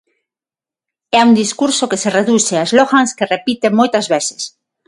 É un discurso que se reduce a slogans que repite moitas veces.